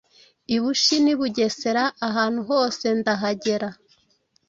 I Bushi n'i Bugesera ahantu hose ndahagera